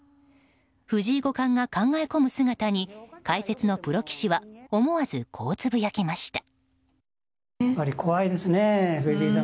藤井五冠が考え込む姿に解説のプロ棋士は思わずこうつぶやきました。